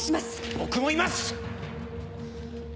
僕もいます！